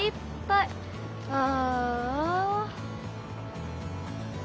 ああ。